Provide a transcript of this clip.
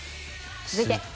続いて。